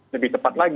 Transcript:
lebih tepat lagi